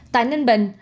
tại ninh bình